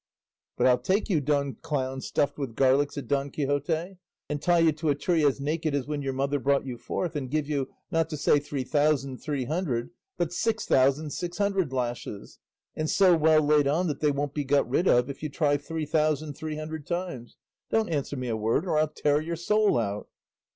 "But I'll take you, Don Clown stuffed with garlic," said Don Quixote, "and tie you to a tree as naked as when your mother brought you forth, and give you, not to say three thousand three hundred, but six thousand six hundred lashes, and so well laid on that they won't be got rid of if you try three thousand three hundred times; don't answer me a word or I'll tear your soul out."